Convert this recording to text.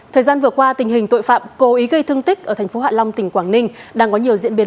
thời gian vừa qua tình hình tội phạm cố ý gây thương tích ở thành phố hạ long tỉnh quảng ninh đang có nhiều diễn biến